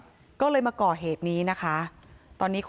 โปรดติดตามต่อไป